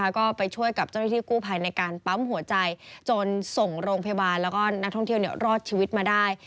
ก็ไปช่วยกับเจ้าหน้าที่กู้ภัยในการปั๊มหัวใจจนส่งโรงพยาบาลแล้วก็นักท่องเที่ยวรอดชีวิตมาได้